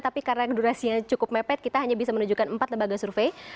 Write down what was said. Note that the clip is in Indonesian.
tapi karena durasinya cukup mepet kita hanya bisa menunjukkan empat lembaga survei